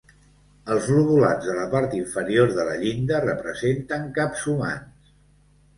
Els lobulats de la part inferior de la llinda representen caps humans.